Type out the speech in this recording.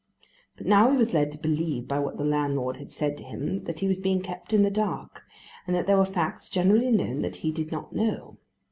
But now he was led to believe by what the landlord had said to him that he was being kept in the dark, and that there were facts generally known that he did not know.